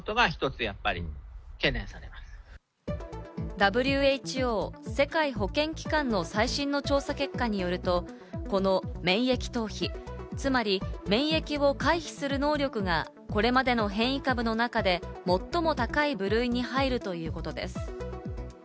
ＷＨＯ＝世界保健機関の最新の調査結果によると、この免疫逃避、つまり免疫を回避する能力がこれまでの変異株の中で最も高い部類に入るということです。